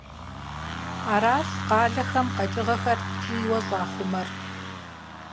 Аращ къалэхэм къэкӀыгъэхэр ткӀийуэ щӀахъумэр.